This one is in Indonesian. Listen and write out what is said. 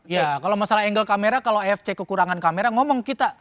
ya kalau masalah angle kamera kalau afc kekurangan kamera ngomong kita